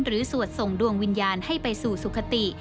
สวดส่งดวงวิญญาณให้ไปสู่สุขติ